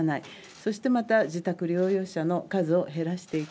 そして、また自宅療養者の数を減らしていく。